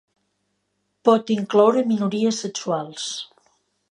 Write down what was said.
Pot incloure minories sexuals.